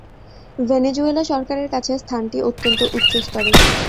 Venezuela সরকারের কাছে স্থানটি অত্যন্ত উচ্চস্তরের।